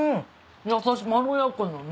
やさしいまろやかだね。